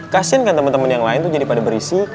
kasian kan teman teman yang lain tuh jadi pada berisi